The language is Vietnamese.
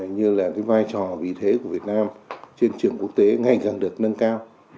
như là cái vai trò vĩ thế của việt nam trên trường quốc tế ngày càng được nâng cao